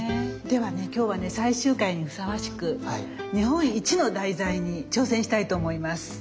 ではね今日はね最終回にふさわしく日本一の題材に挑戦したいと思います！